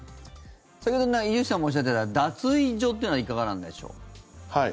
先ほど伊集院さんもおっしゃっていた脱衣所というのはいかがなんでしょう。